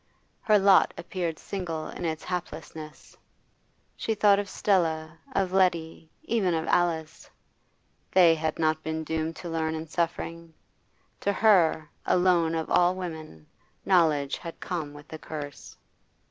Her lot appeared single in its haplessness. She thought of Stella, of Letty, even of Alice; they had not been doomed to learn in suffering. To her, alone of all women, knowledge had come with a curse.